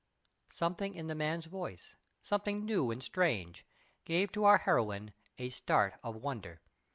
Something in the man's voice something new and strange gave to our heroine a start of wonder.